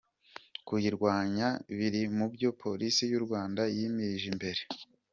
Kuyirwanya biri mu byo Polisi y’u Rwanda yimirije imbere.